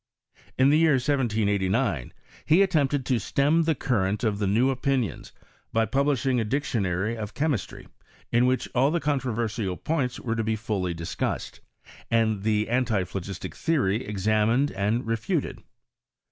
In the year 1789 he at tempted to stem the current of the new opinions by publishing a dictionary of chemistry, in which aU the controversial points were to be fully discussed, and the antiphlogistic theory examined and refuted.